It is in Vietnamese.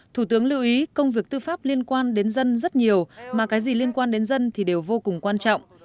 thủ tướng lưu ý công việc tư pháp liên quan đến dân rất nhiều mà cái gì liên quan đến dân thì đều vô cùng quan trọng